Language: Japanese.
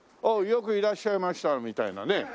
「おおよくいらっしゃいました」みたいなね。